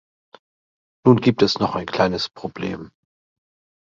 Nur gibt es noch ein kleines Problem.